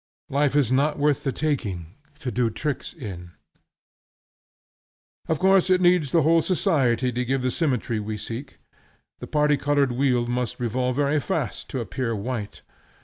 Life is not worth the taking, to do tricks in. Of course it needs the whole society to give the symmetry we seek. The party colored wheel must revolve very fast to appear white.